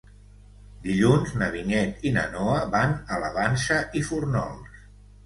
Dilluns na Vinyet i na Noa van a la Vansa i Fórnols.